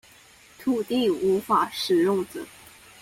土地無法使用者